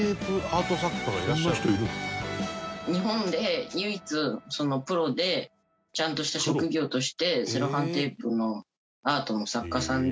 日本で唯一プロでちゃんとした職業としてセロハンテープのアートの作家さんで。